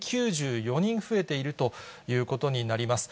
１０９４人増えているということになります。